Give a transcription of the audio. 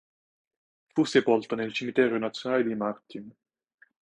Fu sepolta nel Cimitero nazionale di Martin.